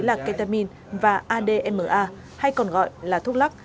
là ketamin và adma hay còn gọi là thuốc lắc